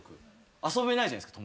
遊べないじゃないですか。